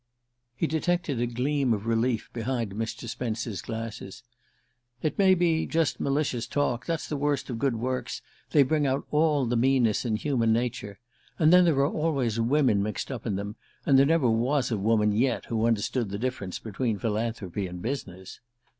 He detected a gleam of relief behind Mr. Spence's glasses. "It may be just malicious talk. That's the worst of good works; they bring out all the meanness in human nature. And then there are always women mixed up in them, and there never was a woman yet who understood the difference between philanthropy and business."